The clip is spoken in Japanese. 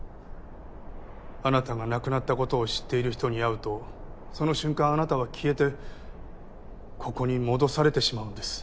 あなたが亡くなったことを知っている人に会うとその瞬間あなたは消えてここに戻されてしまうんです。